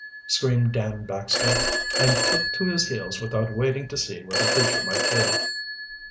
screamed Dan Baxter, and took to his heels without waiting to see what the creature might do.